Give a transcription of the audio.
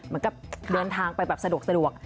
เหมือนกับเดินทางไปแบบสะดวก